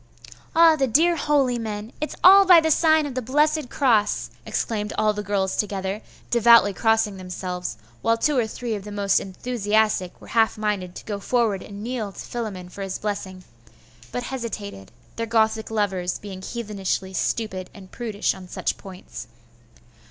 'Ah, the dear holy men! It's all by the sign of the blessed cross!' exclaimed all the girls together, devoutly crossing themselves, while two or three of the most enthusiastic were half minded to go forward and kneel to Philammon for his blessing; but hesitated, their Gothic lovers being heathenishly stupid and prudish on such points.